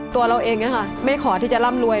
ตัวเราเองไม่ขอที่จะร่ำรวย